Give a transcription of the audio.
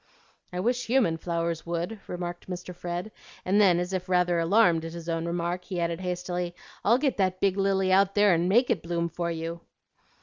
"I wish human flowers would," murmured Mr. Fred; and then, as if rather alarmed at his own remark, he added hastily, "I'll get that big lily out there and MAKE it bloom for you."